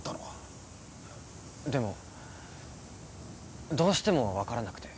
でもどうしても分からなくて。